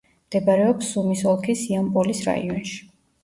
მდებარეობს სუმის ოლქის იამპოლის რაიონში.